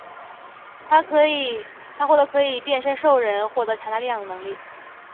他获得可以变身兽人获得强大力量的能力。